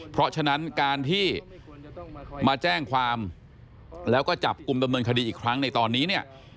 เพราะฉะนั้นการที่มาแจ้งความแล้วก็จับกลุ่มดำเนินคดีอีกครั้งในตอนนี้เนี่ย